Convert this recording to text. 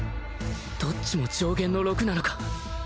どっちも上弦の陸なのか？